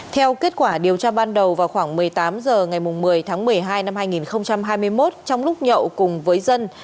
theo kết quả điều tra ban đầu vào khoảng một mươi tám h ngày một mươi tháng một mươi hai năm hai nghìn hai mươi một trong lúc nhậu cùng với dân